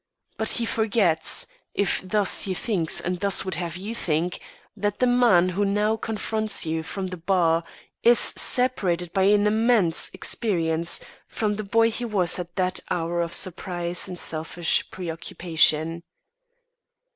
But he forgets, if thus he thinks and thus would have you think, that the man who now confronts you from the bar is separated by an immense experience from the boy he was at that hour of surprise and selfish preoccupation.